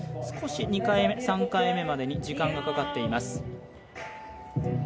少し２回目、３回目までに時間がかかっています。